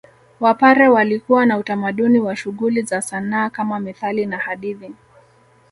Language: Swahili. Wapare walikuwa na utamaduni wa shughuli za sanaa kama methali na hadithi